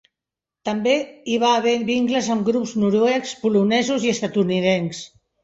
També hi va haver vincles amb grups noruecs, polonesos, i estatunidencs.